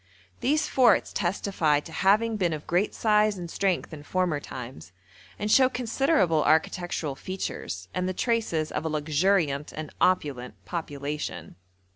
These forts testify to having been of great size and strength in former times, and show considerable architectural features, and the traces of a luxuriant and opulent population.